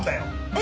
え！